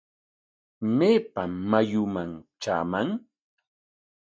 ¿Maypam mayuman traaman?